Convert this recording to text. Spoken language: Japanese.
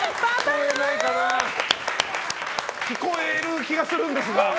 聞こえる気がするんですが。